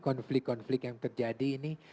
konflik konflik yang terjadi ini